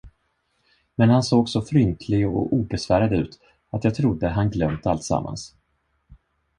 Men han såg så fryntlig och obesvärad ut, att jag trodde han glömt alltsammans.